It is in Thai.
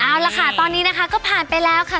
เอาละค่ะตอนนี้นะคะก็ผ่านไปแล้วค่ะ